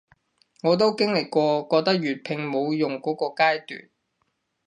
我都經歷過覺得粵拼冇用箇個階段